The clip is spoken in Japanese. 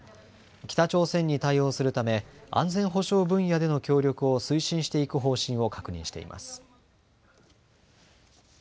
北朝鮮に対応するため安全保障分野での協力を推進していく方針を確認しています。